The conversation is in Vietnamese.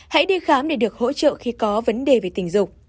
hãy đi khám để được hỗ trợ khi có vấn đề về tình dục